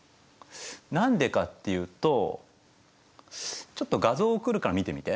何でかっていうとちょっと画像送るから見てみて。